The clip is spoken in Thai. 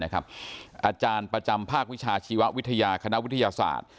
อาจารย์ประจำภาควิชาชีววิทยาคณะวิทยาศาสตร์